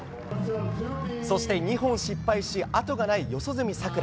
そして２本失敗し、あとがない四十住さくら。